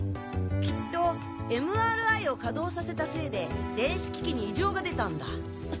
きっとＭＲＩを稼働させたせいで電子機器に異常が出たんだ。